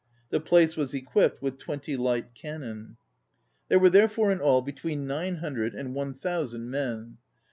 The place was equipped with twenty light cannon. There were therefore in all be tween nine hundred and one thou sand men.